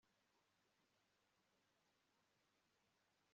ariko eliya arabasubiza ati niba ndi umuntu w imana y ukuri